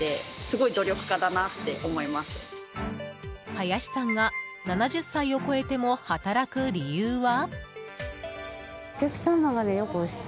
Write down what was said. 林さんが７０歳を超えても働く理由は？